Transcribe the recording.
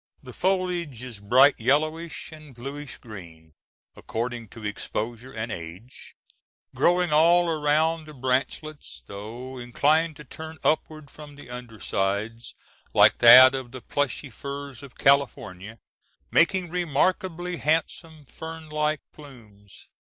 The foliage is bright yellowish and bluish green, according to exposure and age, growing all around the branchlets, though inclined to turn upward from the undersides, like that of the plushy firs of California, making remarkably handsome fernlike plumes.